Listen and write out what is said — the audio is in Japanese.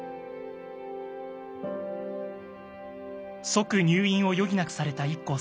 即入院を余儀なくされたＩＫＫＯさん。